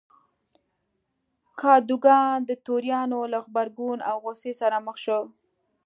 کادوګان د توریانو له غبرګون او غوسې سره مخ شو.